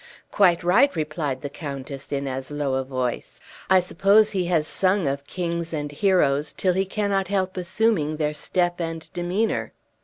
"Quite right," replied the countess in as low a voice; "I suppose he has sung of kings and heroes till he cannot help assuming their step and demeanor!"